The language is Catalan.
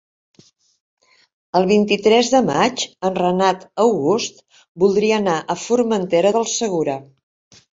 El vint-i-tres de maig en Renat August voldria anar a Formentera del Segura.